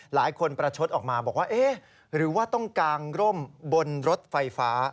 หลายคนประชดออกมาบอกว่าเอ๊ะหรือว่าต้องกางร่มบนรถไฟฟ้า